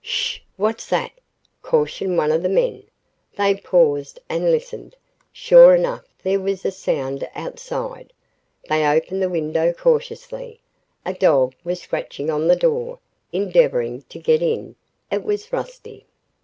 "Sh! What's that?" cautioned one of the men. They paused and listened. Sure enough, there was a sound outside. They opened the window cautiously. A dog was scratching on the door, endeavoring to get in. It was Rusty.